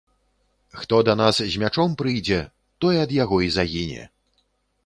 Хто да нас з мячом прыйдзе, той ад яго і загіне.